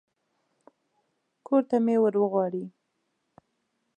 کور ته مې ور وغواړي.